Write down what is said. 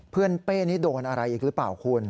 เป้นี่โดนอะไรอีกหรือเปล่าคุณ